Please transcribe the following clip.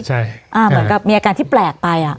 เหมือนกับมีอาการที่แปลกไปอ่ะ